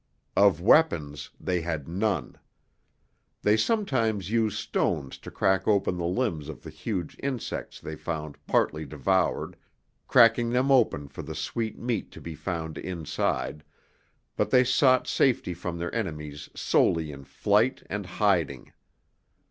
Of weapons, they had none. They sometimes used stones to crack open the limbs of the huge insects they found partly devoured, cracking them open for the sweet meat to be found inside, but they sought safety from their enemies solely in flight and hiding.